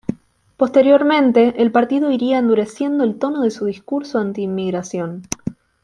Posteriormente, el Partido iría endureciendo el tono de su discurso anti-inmigración.